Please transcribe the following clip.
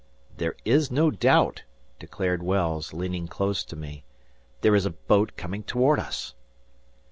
"There is no doubt," declared Wells, leaning close to me, "there is a boat coming toward us."